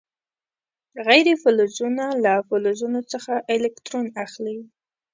غیر فلزونه له فلزونو څخه الکترون اخلي.